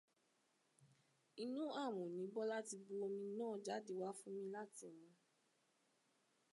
Inú àmù ni Bọ́lá ti bu omi náà jáde wá fún mi láti mu.